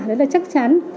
đấy là chắc chắn